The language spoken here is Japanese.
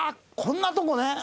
こんなとこね。